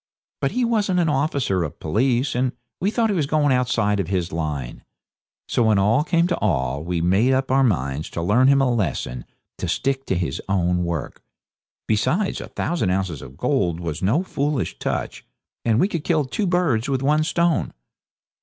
But he wasn't an officer of police, and we thought he was going outside of his line. So when all came to all, we made up our minds to learn him a lesson to stick to his own work; besides, a thousand ounces of gold was no foolish touch, and we could kill two birds with one stone.